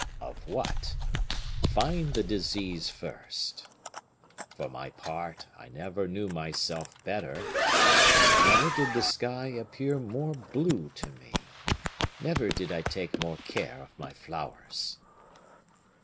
"Of what? Find the disease first. For my part, I never knew myself better; never did the sky appear more blue to me; never did I take more care of my flowers."